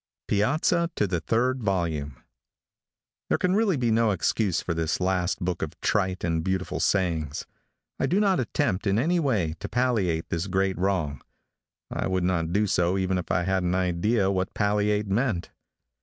PIAZZA TO THE THIRD VOLUME. There can really be no excuse for this last book of trite and beautiful sayings. I do not attempt, in any way, to palliate this great wrong. I would not do so even if I had an idea what palliate meant.